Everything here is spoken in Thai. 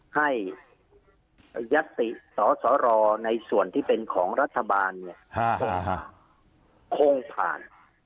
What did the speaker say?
ให้ยัตติสสรในส่วนที่เป็นของรัฐบาลคงผ่าน